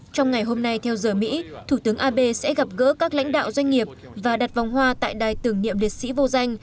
trong ngày hôm nay theo giờ mỹ thủ tướng abe sẽ gặp gỡ các lãnh đạo doanh nghiệp và đặt vòng hoa tại đài tưởng niệm liệt sĩ vô danh